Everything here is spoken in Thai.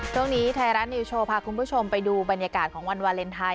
ไทยรัฐนิวโชว์พาคุณผู้ชมไปดูบรรยากาศของวันวาเลนไทย